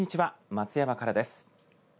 松山からです。